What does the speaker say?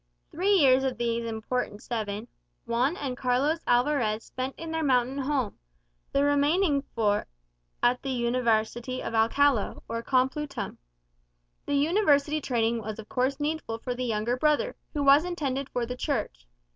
Three years of these important seven, Juan and Carlos Alvarez spent in their mountain home, the remaining four at the University of Alcala, or Complutum. The university training was of course needful for the younger brother, who was intended for the Church.